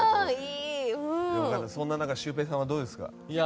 そんな中、シュウペイさんはどうですか？